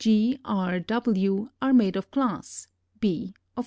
(G, R, W are made of glass, B of tin.)